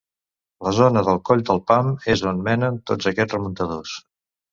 La zona del Coll del Pam és on menen tots aquests remuntadors.